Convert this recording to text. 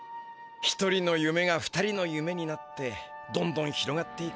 １人のゆめが２人のゆめになってどんどん広がっていく。